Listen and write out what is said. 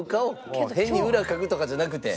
変に裏をかくとかじゃなくて。